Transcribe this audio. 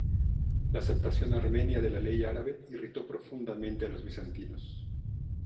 La aceptación armenia de la ley árabe irritó profundamente a los bizantinos.